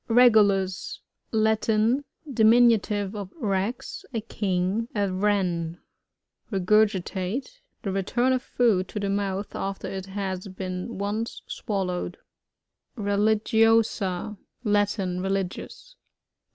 Rbgulus. — Latin. Diminutive of rear, a king. A Wren. Regurgitate. — The return of food to the mouth afler it has been (mce swallowed. Religiosa.— Latin. Religious.